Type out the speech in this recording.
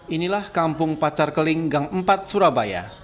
inilah kampung pacar keling gang empat surabaya